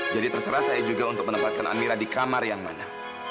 jadi terserah saya juga untuk menempatkan amira di kamar yang mana